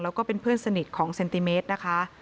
แล้วก็เป็นเพื่อนสนิทของเซนติเมตรนะคะ